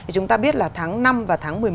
chúng ta biết là tháng năm và tháng một mươi một